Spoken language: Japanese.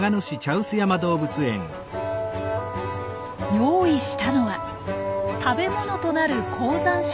用意したのは食べ物となる高山植物。